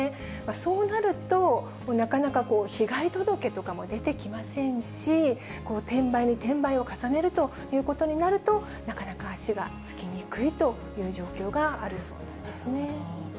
そうなると、なかなか被害届とかも出てきませんし、転売に転売を重ねるということになると、なかなか足がつきにくいという状況があるそうなんですね。